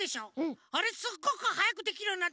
あれすっごくはやくできるようになったからみてくれる？